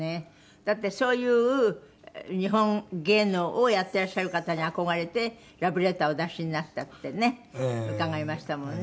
だってそういう日本芸能をやっていらっしゃる方に憧れてラブレターお出しになったってね伺いましたもんね。